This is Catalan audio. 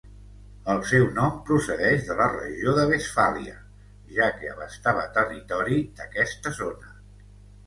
El seu nom procedeix de la regió de Westfàlia, ja que abastava territori d'aquesta zona.